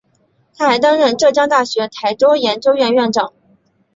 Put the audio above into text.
他还担任浙江大学台州研究院院长。